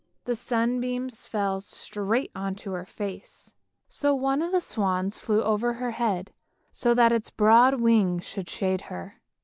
The sunbeams fell straight on to her face, so one of the swans flew over her head so that its broad wings should shade her.